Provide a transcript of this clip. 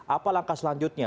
apa langkah selanjutnya